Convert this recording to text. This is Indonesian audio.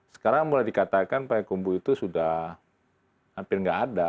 sekarang mulai dikatakan pak hekumbu itu sudah hampir tidak ada